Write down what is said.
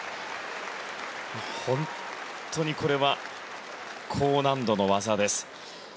本当にこれは高難度の技です。